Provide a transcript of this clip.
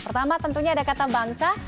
pertama tentunya ada kata bangsa